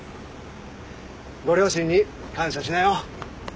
ご両親に感謝しなよ。